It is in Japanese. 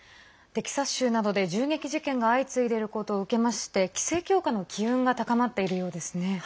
テキサス州などで銃撃事件が相次いでいることを受けまして規制強化の機運が高まっているようですね。